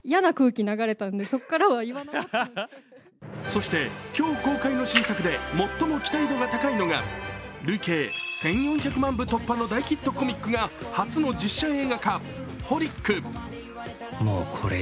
そして、今日公開の新作で最も期待度が高いのが累計１４００万部突破の大ヒットコミックが初の実写映画化「ホリックｘｘｘＨＯＬｉＣ」。